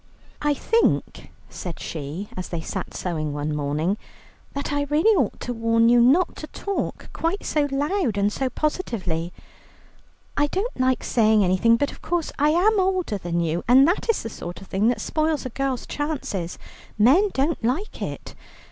"I think," said she, as they sat sewing one morning, "that I really ought to warn you not to talk quite so loud and so positively. I don't like saying anything, but of course I am older than you, and that is the sort of thing that spoils a girl's chances. Men don't like it.